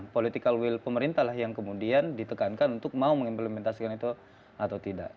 political will pemerintah lah yang kemudian ditekankan untuk mau mengimplementasikan itu atau tidak